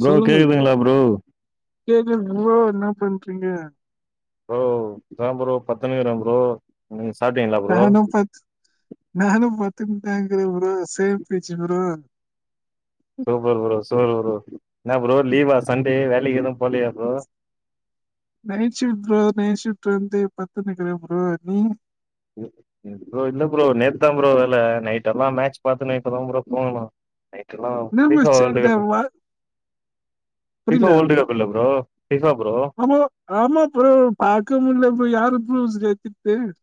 Bro சொல்லுங்கள் கேக்குதுங்களா bro கேக்கு புல்லா என்ன பன் ட்ரிங்க ப்ரோ இப்பதான் ப்ரோ படுத்தின்னுருக்கேன் ப்ரோ சாப்ட்டீங்களா ப்ரோ நானும் பத் நானும் பத் துன் தான் இருக்கிறேன் bro same pinch bro super bro super bro என்ன ப்ரோ லீவா சண்டே வேல க்கு ஏதும் போலயா bro night shift bro night shift வந்து படுத்துநிக்கேன் ப்ரோ நீ ப்ரோ இல்ல ப்ரோ நேத்தான் ப்ரோ வேல நைட் எல்லாம் மேட்ச் பாத்தின்னு இப்பதான் ப்ரோ தூங்கணும் என்ன வச்சிட்டா பால் இப்ப வேர்ல்ட் கப் இல்ல ப்ரோ ஃபீஃபா ப்ரோ ஆமா ஆமா ப்ரோ பாக்க முடில ப்ரோ யாரு [unintelligible]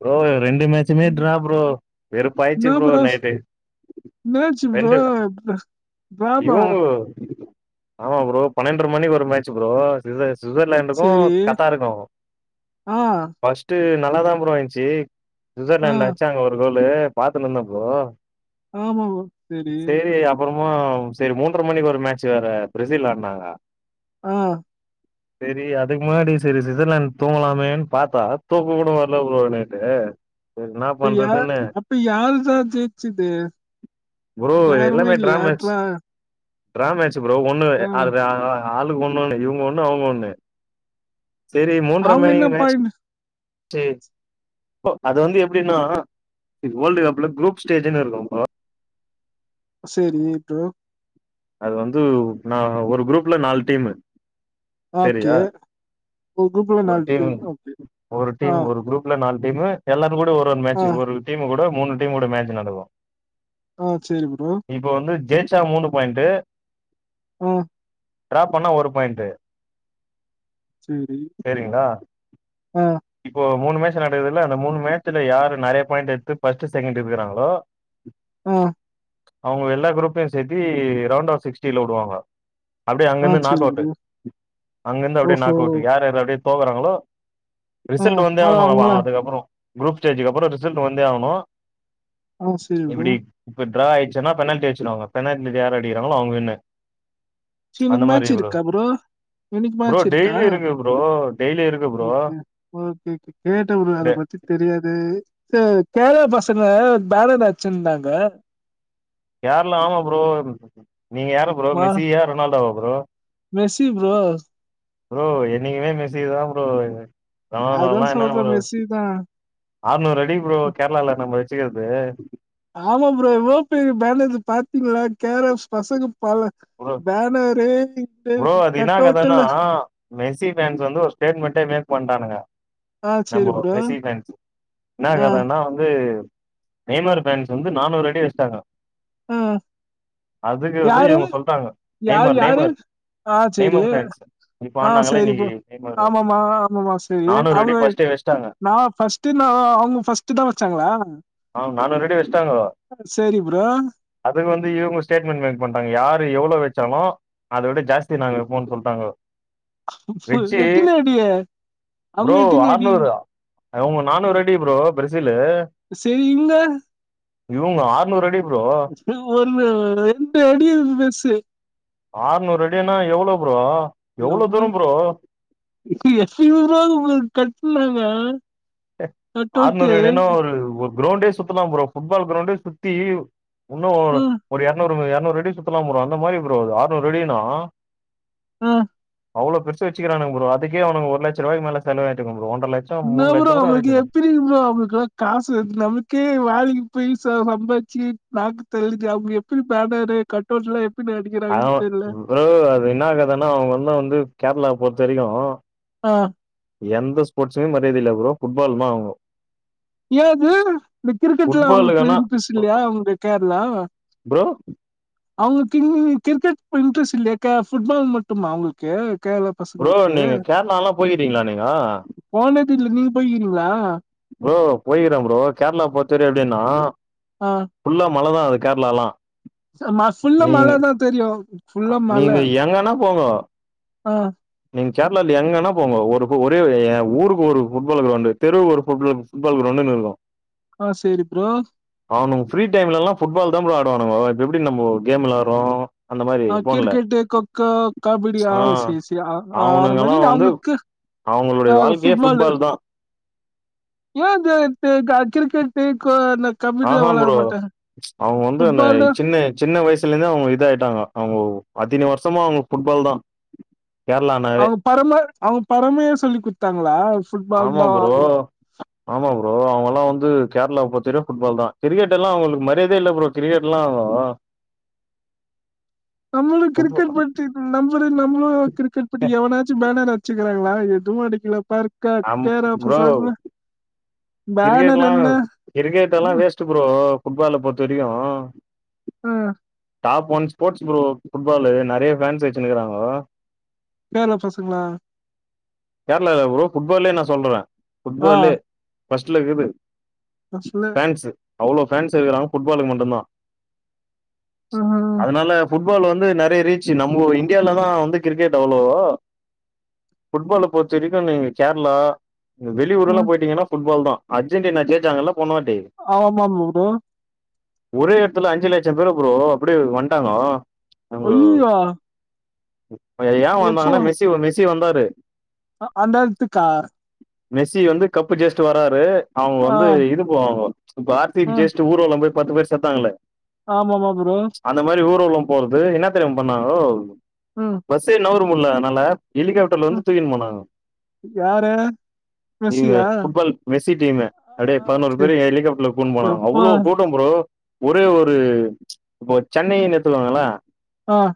ப்ரோ ரெண்டு மேட்ச்மே ட்ரா ப்ரோ வெறுப்பாயிடுச்சு என்னா ப்ரோ சொல் நைட்டு என்னாச்சு ப்ரோ ரெண்டு ட்ராவா இவங்க ஆமா ப்ரோ பன்னண்ற மணி ஒரு மேட்ச் ப்ரோ சுவிட்சர்லாண்டுக்கும் சரி காத்தாருக்கும் ஆ பஸ்டு நல்லா தான் ப்ரோ இருந் செரி ஆ சுவிட்சர்லாந்து அடிச்சாங்க ஒரு கோல் [unintelligible] பாத்துன்னுருந்தேன் ப்ரோ ஆமாமா சரி சரி மூன்றரை மணிக்கு ஒரு மேட்ச் வேற பிரசில் ஆடுனாங்க ஆஹ் செரி அதுக்கு முன்னாடி செரி ஸ்விச்ர்லண்ட் தூங்கலாமேன்னு பாத்தா தூக்க கூட வரல ப்ரோ ட இப்ப யா அப்ப யாரு சார் ஜெயிச்சுது ப்ரோ யாருமே இல்லியா [unintelligible] ட்ரா மேட்ச் ப்ரோ ஒண்ணு அது ஆளுக்கு ஒண்ண ஒண்ணு இவுங்க ஒண்ணு அவுங்க ஒண்ணு சரி மூன்றரை அவங்க மணி என்ன மேட்ச் பாயிண்ட் செரி அது வந்து எப்படின்னா இது வேர்ல்டு கப்ல குரூப் ஸ்டேஜ்ன்னு இருக்கும்னு ப்ரோ செரி ப்ரோ அது வந்து நா ஒரு குரூப்ல நாலு டீமு ஓகே சரியா ஒரு குரூப்ல ஒரு நாலு டீம் பேர் ஓகே ஒரு ஆ டீம் ஒரு குரூப்ல நாலு டீம் எல்லாத் கூட ஒரு ஒரு ஆ மேட்சு ஒரு டீம் கூட மூணு டீமோட ஒரு மேட்ச் நடக்கோ ஆ சரி ப்ரோ ச்சா மூணு பாய்ன்ட்டு ம் டராப் பண்ணா ஒரு பாயிண்டு சரி சரிங்களா ஆ இப்போ மூணு மேட்சு நடக்குதுல அந்த மூணு மேட்சுல யாரு நறையா பாயிண்ட் எடுத்து பர்ஸ்ட்டு செகண்டு எடுக்குறாங்களோ ஆ அவுங்க எல்லா குரூப்லயோ சே எப்படி ரவுண்ட் ஆஃப் சிக்ஸ்டில விடுவாங்க அப்படியே ஆ அங்கிருந்து நாக் சரி அவுட் ப்ரோ அங்கிருந்து அப்படியே ஓஹோ நாக் அவுட் யார் எது அப்படியே போகறாங்களோ ஆ ரிசல்ட் வந்தே அது ஆவணோ அவங்களா அதுக்கப்புறோ குரூப் ஜேஞ்சுக்கு அப்புறோ ரிசல்ட் வந்தே ஆவணோ ஆ சரி ப்ரோ எப்பிடி இப்ப [unintelligible] ஆயிச்சுன்னா பெனால்டி வெச்சுருவாங்க பெனால்டி நறையா யாரு அடிக்கிறாங்களோ அவுங்க விண்ணு ச இன்னிக்கு மாச்சிருக்கா ப்ரோ இன்னிக்கு ப்ரோ மாச்சிருக்கா டெய்லி இருக்கு ப்ரோ டெய்லி இருக்கு ப்ரோ கேட்ட ப்ரோ இந்த அத பத்தி தெரியாது கேரளா பசங்க பேனரு அச்சிருந்தாங்க யாரெல்லா ஆமா ப்ரோ நீங்க யார ப்ரோ மெஸ்ஸி யா நாள்டா அப்புறோ மெர்சி ப்ரோ ப்ரோ என்னைக்குமே மெஸ்ஸிதா ப்ரோ அதா சொல்ற மெஸ்ஸி தா ஆர்நூறு அடி ப்ரோ கேர்ளால நம்ம வெச் வெச்சிக்கறது ஆமா ப்ரோ எவ்ளோ பெரிய பேனரு பாத்தீங்களா கேரளாஸ் பசங்க பல ப்ரோ பேனரு ப்ரோ அது என்ன கட் கதனா அவுட்ல மெஸ்ஸி ஃபேன்ஸு வந்து ஒரு ஸ்டேட்மெண்டே மேக் பண்டானுங்க ஆ சரி நம்ப ப்ரோ மெஸ்ஸி ஃபேன்ஸ் என்ன ஆ கதன்னா வந்து நெய்மர் ஃபேன்ஸ் வந்து நானூறு அடி வெச்சிட்டாங்க அதுக்கு வந்து இவுங்க யரு யாரு ஆஹ் சேரி நெய்மர் ஃபேன்ஸ் இப்ப ஆஹ் ஆடுனாங்கல்ல சேரி இன்னைக்கு ப்ரோ நெய்மரு ஆமாம ஆமாம சேரி நானூறு அடி அவங்க ஃபர்ஸ்ட்டே வச்சுட்டாங்க நான் ஃபர்ஸ்ட் ந அவங்க ஃபர்ஸ்ட் தான் வச்சாங்களா ஆ நானூறு சேரி ப்ரோ அது வந்து இவங்க ஸ்டேட்மெண்ட் மேக் பண்ராங்க யார் எவ்ளோ வச்சாலும் அத விட ஜாஸ்தி நாங்க வப்போம்னு சொல்லிட்டாங்க வெச்சு எத்தனை அடி அவங்க ப்ரோ எத்தனை அடி அறுநூறு அ இவங்க நானூறு அடி ப்ரோ பிரேசீலு சரி இவங்க ஆற்நூறு அடி ப்ரோ [unintelligible] ஒன்னு ரெண்டு அடி பெர்சு ஆற்நூறு அடினா எவ்ளோ ப்ரோ எவ்ளோ ஏப்பா தூரம் ப்ரோ எப்படி ப்ரோ உங்களுக்கு கட்ட உள்ளவா ஏ ஆற்நூறு அடினா ஒரு ஒர் க்ரௌண்டே சுத்தலா ப்ரோ ஃபுட்பால் கிரௌண்டே சுத்தி இன்னோ அ ஒரு இர்நூறு இர்நூறு அடி சுத்தலா ப்ரோ அந்த மாரி ப்ரோ ஆற்நூறு அடினா ஹா அவ்வளோ பெர்சு வச்சிருக்காணுங்க ப்ரோ அதுக்கே அவனுங்க ஒரு லட்ச ரூாய் மேல செலவாய்ட்ருக்கோ ஒரு ஒன்ற லட்சோ மூணு லட் அவங்களுக்கு எப்பிடி இவ்வளோ அவங்களுக்லா காசு வர்து நமக்கே வேலைக்கு பைசா சம்பாச்சி நாக்கு தள்ளுது அவங்க எப்டி பேனரு கட்டவுட்ல எப் அவ ப்ரோ அது இன்ன கதானா அவங்க அண்ண வந்து கேரளாவு பொறுத்த வரிகோ ஆஹ் எந்த ஸ்பட்ஸ்சுமே மரியாதயில்ல ப்ரோ ஃபுட்பால்னா அவுங்கோ ஏது இந்த கிரிக்கெட்ல அவங்களுக்கு ஃபுட்பாலுக்கானா இன்ட்ரெஸ்ட இல்லையா அவங்க கேர்ளா ப்ரோ அவங்ளுக் இன் இ கிரிக்கெட் இட்ரெஸ்ட் இல்லையா கே ஃபுட்பால் மட்டுமா அவங்ளுக்கே ப்ரோ நீங்க கேரளா லா போயிருக்கிங்ளா நீங்கோ போனது இல்ல நீங்க போய்கிறீங்களா ப்ரோ போய்கிறே ப்ரோ கேரளா பொருத்தவரையு எப்படின்னா ஆஹ் மழ தா அது கேர்ளாலா சமாஸ் ஃபுல்லா மழ தா தெரியு ஆ ஃபுல்லா நீங்க எங்கன்ன போங்கோ ஆஹ் நீங்க கேர்ளால எங்கன்னா போங்க ஒரு ஒரே எ ஊருக்கு ஒரு ஃபுட்பால் கிரௌண்டு தெருவு ஒரு கோர்ட் ஃபுட்பால் கிரௌண்டுன்னு இருகோ ஆஹ் சேரி ப்ரோ அவனுங்க ஃப்ரீ டைம்ல்லா ஃபுட்பால் த ப்ரோ ஆடுவானுகங்கோ இப்ப எப்டி நம்மோ கேம்ளா விளாட்ரோ ஆஹ் கிரிக்கெட்டு கொக்கோ கபடி ஆஹ் ஆ சிசி அ ஆறு அவனுங்கல்லா மணின் வந்து அவங்களுக்கு அவங்களுடைய ஆஹ் வாழ்க்கையே ஃபுட்பாலு ஃபுட்பால் தா ஏ தே பெ கா கிரிக்கெட் க்கு கொ ல ஆஹ்ஹா ப்ரோ அவங்க வந்து அந்த ஃபுட்பால்னா சின்ன சின்ன வயசுலந்தே அவங்க இதாயிட்டாங்க அவங்க அத்தின வருஷமா அவங்களுக்கு ஃபுட்பால் தா கேரளானாவே அவங்க பரம அவங்க பரமையே சொல்லி கொடுத்தாங்களா ஆமா ப்ரோ ஆமா ப்ரோ அவங்கல்லா வந்து கேரளா பொறுத்த வரையு ஃபுட்பால் தா கிரிக்கெட் எல்லா அவங்களுக்கு மரியாதையே இல்ல ப்ரோ கிரிக்கெட் எல்லா ஆஹ் நம்மளு கிரிக்கெட் பத்தி நம்மள நம்மளு கிரிக்கெட் பத்தி எவனாச்சு பேனர் வச்சுக்கிறாங்களா எதுவு அடிக்கல பர்க்கா கேராகு பசங்க கிரிக்கெட் பேனர் எல்லா என்ன? கிரிக்கெட் எல்லா வேஸ்ட்டு ப்ரோ ஃபுட்பால பொறுத்த வரைக்கு ஆஹ் ஆஹ் top one sports bro football நெறைய ஃபேன்ஸ் வச்சுன்னுருக்குறாங்கோ கேர்ளா பசங்களா கேரளால ப்ரோ ஃபுட்பாலே நா சொல்லுறே ஆ. ஃபுட்பாலு ஃபஸ்ட்ல இருக்குது ஃபேன்ஸு [unintelligible] அவ்ளோ ஃபேன்ஸ் இருக்கிறாங்க ஃபுட்பாலுக்கு மட்டும்தா ம்ஹ்ம். அதனால ஃபுட் ஃபுட்பால் வந்து நெறைய ரீச்சு நம்ம இந்தியால தா வந்து கிரிக்கெட் அவ்வளோவோ ஃபுட்பாலு ப்பொறுத்த வரைக்கு நீங்க கேரளா நீங்க வெளி ஊர் எல்லா ம். போயிட்டீங்கன்னா ஃபுட்பால் தா அர்ஜென்டீனா ஜெய்ச்சாங்கல்லப் ஆமா ப்ரோ ஒரே எடத்துல அஞ்சு லட்ச பேரு ப்ரோ அப்டியே வட்டாங்க ஐயயோ உ எ ஏ வந்தாங்கன்னா மெசி வ மிஸ் மெஸ்ஸி வந்தாரு அந்த எடத்துக்கா மெஸ்ஸி வந்து கப்பு ஜெயிசுட்டு வராரு அவுங்க ஆ வந்து இது போவாங்க இப்போ ஆர் சி பி ஆ ஜெஷ்ட்டு ஊர்வலம் போய் பத்து பேர் செத்தாங்கள ஆமாமா ப்ரோ போறது என்ன தெரியுமா பண்ணாங்கோ ம் பசே நவுர முல்ல அதனால எலிகாப்டர்ல வந்து ம் தூக்கிட்டு போனாங்க யாரு நீங்க மெஸ்ஸியா புட்பால் வேஸ் சி டீம்ம ஆ அடே பதினோரு சரி பேரு ஹெலிகாப்டர்ல கூன் போனாங்க எப்பா அவ்ளோ கூட்டம் ப்ரோ ஒரே ஒரு இப்ப சென்னைன்னு எடுத்துக்கோங்கள ஆஹ்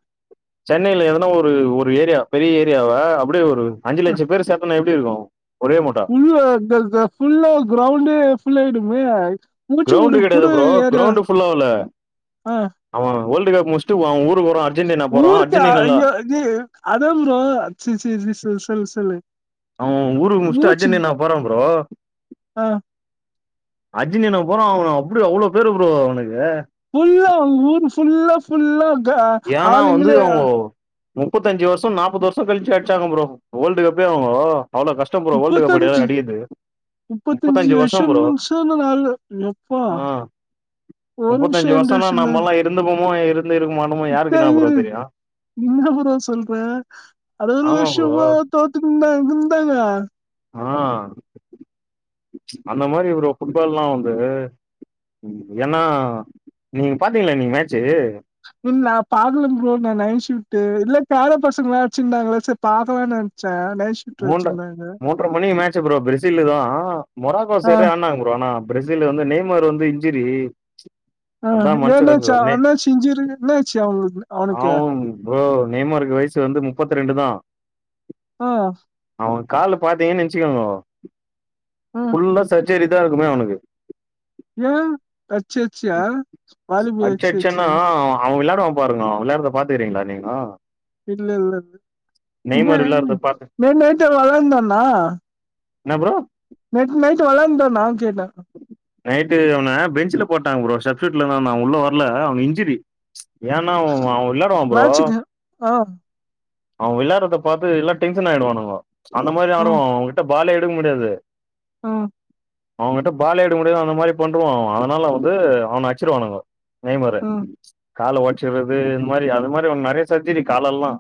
சென்னையில எதனா ஒரு ஒரு ஏரியா பெரிய ஏரியாவ அப் ஒரே ஒரு அஞ்சு லட்சம் பேரு சேத்தனா எப் ப்படியிருக்கு ஃபுல்லு க்க-க்க ஃபுல்லே கிரௌண்டே ஃபுல்லாயிடுமே கிரௌண்ட் கெடையாது ப்ரோ கிரௌண்ட் ஃபுல்லால்ல ஆ அவ அ வேர்ல்ட் கப் முடிச்சுட்டு அவ ஊரு ஊருக்கு ஐயோ அது அதா ப்ரோ செர் செர் செர் சொல்லு சொல்லு அவ ஊருக்கு முடிச்சிட்டு மூச்சு அர்ஜென்டின்னா போறா ப்ரோ ஆ அர்ஜென்டினா போறோம் அவன் அப்படி அவ்வளோ பேரு ப்ரோ அவனுக்கு ஃபுல்ல அங் ஊர் ஃபுல்ல ஃபுல்ல ட்டா ஏன்னா வந்து ஆளுங்கலே அவுங்கோ முப்பத்தஞ்சு வருஷோ நாப்பது வருஷோ கழிச்சு அடிச்சாங்க ப்ரோ வேர்ல்ட் கப்பே அவுங்கோ அவ்ளோ கஷ்டோ ப்ரோ வேர்ல்டு கப் அடி முப்பத்தஞ்சு அடிக்கிறது முப்பத்தஞ்சு வருஷோ ப்ரோ வருஷம்லா சொன்ன நாள் எப்பா ஆ ஒரு வருஷௌ ரெண்டு வருஷௌ இல்ல இப்போவு இருந்து இருக்குமோ இந்த இது என்ன ப்ரோ சொல்ற அறுபது ஒரு ஆமா ப்ரோ வருஷமா தோத்துட்துருந்தாங்க ஆ அந்த மாரி ஒரு ஃபுட்பால்லா வந்து ஏன்னா நீங்க பாத்தீங்களா நீங்க மேட்சு இல்ல நான் பாக்கலா ப்ரோ நா நைட் ஷிஃப்ட் இல்ல பேர பசங்களா வச்சிருந்தாங்களா செரி பாக்கலா நா மூன்ற மூன்றரை மணிக்கு மேட்சு ப்ரோ பிரேசிலதா மொராக்கோ ஆ சைடு ஆனாங்க ப்ரோ ஆனா பிரேசில் வந்து நெய்மர் வந்து இன்சுரி ஆஹ் என்னாச்சு என்னாச் சிஞ்சிரு என்னாச்சு அவனுக் அவனுக்கு நேமா இருக்கு வயசு வந்து முப்பத்ரெண்டுதா ஆஹ் அவங்க கால பாத்தீங்கன்னு நெனச்சுக்கோங்கோ ஆ ஃபுல்லா ச சரிதா இருக்குமே ஒனக்கு ஏ அச்சச்ச வாலிபோ அச்சச்ச [unintelligible] பாருங்கோ வில்லாரத்த பாத்துக்கறீங்களா நீங்கோ இல்ல இல்ல இப்ப நெய்மர் விளாட்றத பாத்து ந நேத்து அவ வெளாந்தனா என்ன ப்ரோ நைட்டு் நைட்டு் வளந்தோனா கேட்டே நைட்டு அவன பெஞ்சுல போட்டாங்க ப்ரோ சப்ஸ்யூட்ல தா நா உள்ள வரல அவங்க இன்ஞ்சிரி ஏனா அவ வ் விளாடுவா ப்ரோ ஆஹ் அவ விளையாறத பாத்து எல்லா டென்ஷன் ஆயிடுவானுங்கோ அந்த மாரி ஆடுவா அவ அவங்கிட்ட பாலே எடுக்க முடியாது ஆ அவங்கிட்ட பாலே எடுக்க முடியாது அந்த மாரி பண்ருவா அவ அதனால வந்து அவன அச்சிருவானுங்கோ நெய்மாறு ம் காலை ஓச்சறது இந்த மாரி அது மாரி ஒன் நெறைய சர்ஜரி காலெல்லா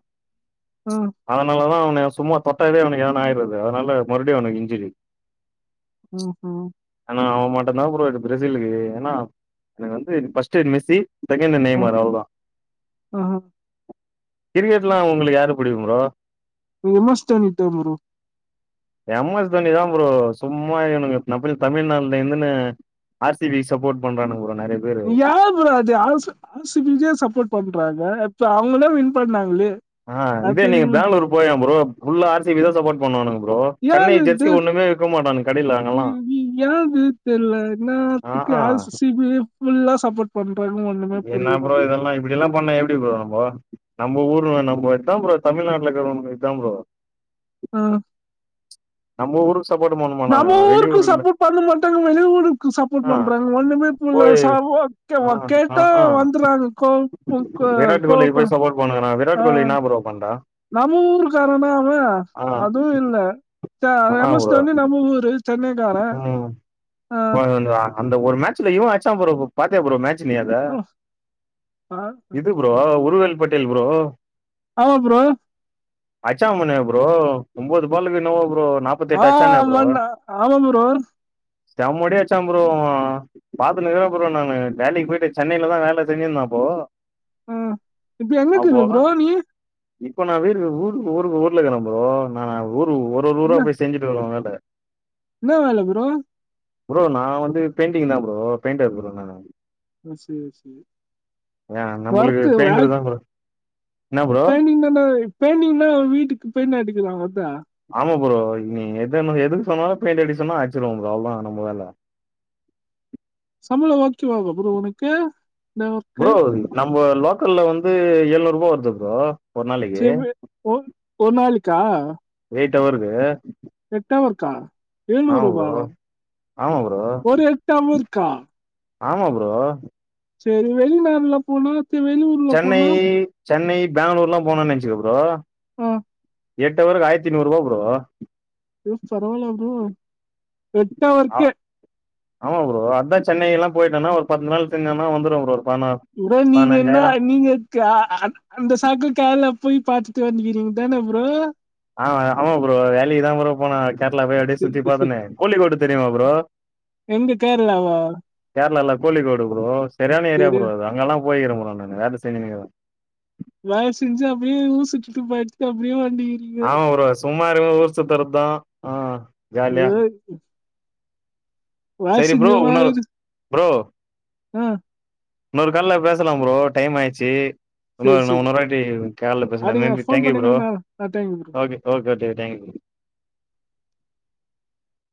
ம் அதனாலதா அவ ன சும்மா தொட்டாதே அவனக்கு எதனா ஆயிறது அதனால மறுபடியு அவனுக்கு இன்ஞ்சுரி ஹ ஹ ஆ அவமாட்டந்தா ப்ரோ இது பிரெசிலுக்கு ஏனா எனக்கு வந்து பஸ்டு மெஸ்ஸி செகண்டு நெய்மாறு அவ்ள்தா கிரிகெ ட்னா உங்களுக்கு யாரு புடிக்கு ப்ரோ நெமோஸ்தா நிட்டு ப்ரோ எம் எஸ் தோனி தா ப்ரோ சும்மா இவனுக நம் பெரி தமிழ்நாடுல இருந்துனு ஆர் சி பி சப்போர்ட் பண்றானுங்க ப்ரோ நெறைய பேரு யா ப்ரோ அது ஆசு ஆர் சி பி க்கே சப்போர்ட் பண்றாங்க சோ அவங்களே வின் பண்ணாங்களே ஆ இதே அது நீங்க பேங்களூர் போயே ப்ரோ புல்லா ஆர் சி பி தா சப்போர்ட் பண்ணுவானுங்க ப்ரோ சென்னை யாது ஜெர்சி இது ஒண்ணுமே விக்க மாட்டானுங்க கடைல அங்கெல்லா யூமி யாது தெர்ல ஆ என்னாத்துக்கு ஆசு சி பி ஃபுல்லா சப்போர்ட் பண்ணு என்னா ப்ரோ இதெல்லா இப்டில்லா பண்ணா எல் டி ப்ரோ நம்போ நம்ம ஊர்ல நம்மதா ப்ரோ தமிழ்நாட்ல இருக்கிறவனுக்கு இதா ப்ரோ ஆ நம்ம ஊரு நம்ம ஊருக்கு சப்போர்ட் பண்ண மாட்டானு வெளி ஊருக்கு சப்போர்ட் ஆ பண்றாங்க ஒண்ணுமே புல போய் சா வோ ஆ கேவ கேட்டா ஆ ஆ வந்துறாங்க கோ உ கோ விராட் கோலிக்கு கோப்ப போய் சப்போர்ட் பண்ணுங்கறா விராட் ஆ கோலி என்னா ப்ரோ பண்றா நம்ம ஊருக்காரனா ஆவ ஆ அதுவும் இல்ல த ரமொஸ நம்ம ஊரு சென்னை உம் வந்து அந்த ஒரு மேட்சலயு ப்ப ஆட்ச்ச ப்ரோ பாத்திய ப்ரோ மேட்ச் சு நீ அதா ஓ, ஆ, இது ப்ரோ ம். உருவேல் பட்டேல் ப்ரோ ஆமா ப்ரோ ஆச்சாமனிப்பா ப்ரோ ஒன்பது பால்கு என்னமோ ப்ரோ நாப்பத்தெட்டு அச்சானே ஆஹ் மன்ன ஆ ஆமா டோர் செம்ம அடிச் அடிச்சா ப்ரோ அவோ பாத்துனு இருக்க ப்ரோ நானு வேலக்கு போயிட்டு சென்னைிலதான் வேல செஞ்சிருந்த இருந்த அப்போ ஆஹ் இப்ப எங்குட்டு இருங்க ப்ரோ நீ இப்போ நான் வரு ஊருக்கு ஊருக்கு ஊர்ல இருக்கிற போ நான் ஊ ஒரு ஒரு என்ன ப் போய் செஞ்சிட்டு வருவ வேல என்ன வேல ப்ரோ ப்ரோ நான் வந்து பெயிண்டிங் தான் ப்ரோ பெயிண்டர் ப்ரோ நானு ஏன் நம்மளுக்கு ஒர்க்கு வேல பெயிண்டர் தான் ப்ரோ என்ன ப்ரோ பெண்டிங் பெண்டிங்னா வீட்டுக்கு பெயிண்ட அடிக்கலா அதா ஆமா ப்ரோ நீ எது எதுக்கு சொன்னாலு பெயிண்ட் அடி சொன்னா அடிச்சுடுவ ப்ரோ அவள தா நம்ம வேல சம்பள அனுசுறுவங்க ப்ரோ உனுக்கெ நமக்கு ப்ரோ நம்ம லோக்கல்ல வந்து எழுநூறு ரூபா வருது ப்ரோ ஒரு நாளைக்கு ச ஒ நாளைக்கு கா எய்ட்டு அவருக்கு எட்டவரூக்கா எழுநூறு ப்ரோ ரூபாவா ஆமா ப்ரோ ஒரு எட்டாவ இருக்கா ஆமா பரோ சரி வெளிநாடுல போனா வெளிவுறுல சென்னை போனா சென்னை பெங்களூர் லா போனனு நனச்சுகோ ப்ரோ ஹம் எட்டவருக்கு ஆயிரத்திநூறு ரூபா ப்ரோ எ சரவல த எட்டவர்க்கே ஆமாம் ப்ரோ அதான் சென்னைல்லாம் போயிட்டானா ஒரு பத்து நாள் தங்கன்னா வந்துரும் ப்ரோ பதினா இற நீங்க என்ன பதினஞ்சாயிரம் நீங்க் அ அ அந் அந்த சாக்கு கேரளா போய் பாாத்துட்டு வந்துவீங்க தான புரோ ஆ ஆமாம் ப்ரோ வேலக்கி தான் ப்ரோ போனா கேரளா போய் அப்டிய சுற்றி பார்த்தனே கோலிக்கோடு தெரியுமா ப்ரோ எங்க கேரளாவா கேரளா கோழிக்கோடு ப்ரோ சரியான ஏரியா சரி ப்ரோ அது அங்கெல்லாம் போயக்கிறல ப்ரோ நானு வேல செஞ் [unintelligible] வய செஞ்சு அப்டியே ஊர் சுட்டு போயிட்டுட்டு அப்டியே ஆமா ப்ரோ சு சும்மா இருக்குபோ ஊர்சுத்தர தான் ஆஹ் ஏ வே சரி செஞ்ச ப்ரோ மாரி இன்னொரு சு ப்ரோ ஆஹ் இன்னொரு கால்ல பேசலாம் ப்ரோ டைம் ஆயிடுச்சி இன்னோ சரி நா சரி ஒன்னரு வாட்டி கால்ல பேசுறேன் அப்படிங்க நன்றி ஃபோன் தேங்க்யூ பண்ணுங்க ப்ரோ நான் நான் thank you bro okay okay okay thank you